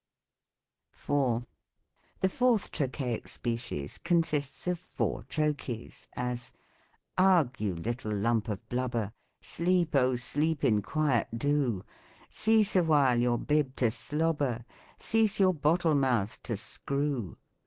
4. The fourth Trochaic species consists of four trcr chees, as :" Ugh ! you little lump of blubber, Sleep, oh ! sleep in quiet, do ! Cease awhile your bib to slobber — Cease your bottle mouth to screw.